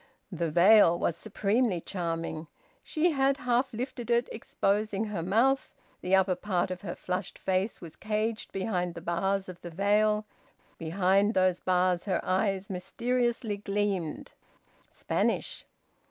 The veil was supremely charming. She had half lifted it, exposing her mouth; the upper part of her flushed face was caged behind the bars of the veil; behind those bars her eyes mysteriously gleamed... Spanish!